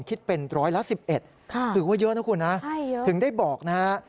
คิดเป็นร้อยละ๑๑ถือว่าเยอะนะคุณนะถึงได้บอกนะฮะ